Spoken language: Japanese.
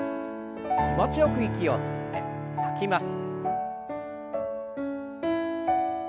気持ちよく息を吸って吐きます。